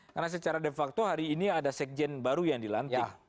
karena secara de facto hari ini ada sekjen baru yang dilantik